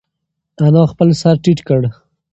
انا خپل سر ټیټ کړ.